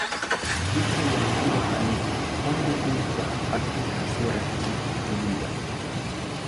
Licha ya kuwa halisi, mpango huu kwa hakika sio rahisi kutimiza.